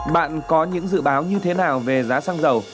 bạn có những dự báo như thế nào về giá xăng dầu